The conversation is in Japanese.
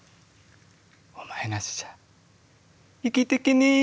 「お前なしじゃ生きてけねえよ」